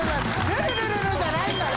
ルルルルルじゃないんだよ。